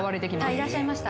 いらっしゃいました